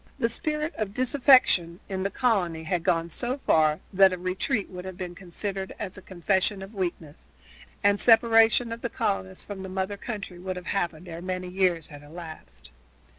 The spirit of disaffection in the colony had gone so far that a retreat would have been considered as a confession of weakness, and separation of the colonists from the mother country would have happened ere many years had elapsed.